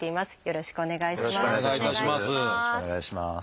よろしくお願いします。